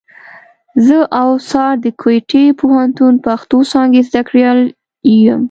زه اوڅار د کوټي پوهنتون پښتو څانګي زدهکړيال یم.